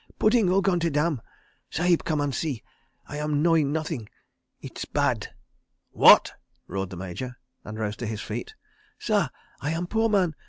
"Pudding all gone to damn. Sahib come and see. I am knowing nothing. It is bad." "What?" roared the Major, and rose to his feet. "Sah, I am a poor man.